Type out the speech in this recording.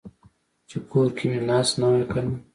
چې کور کې مې ناست نه وای کنه.